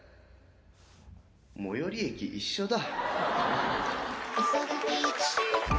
最寄り駅一緒だ